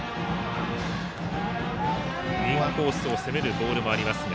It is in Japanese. インコースを攻めるボールもありますが。